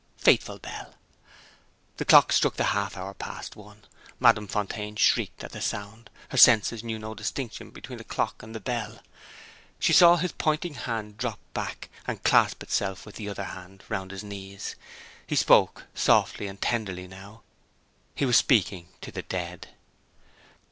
Faithful bell!" The clock struck the half hour past one. Madame Fontaine shrieked at the sound her senses knew no distinction between the clock and the bell. She saw his pointing hand drop back, and clasp itself with the other hand, round his knees. He spoke softly and tenderly now he was speaking to the dead.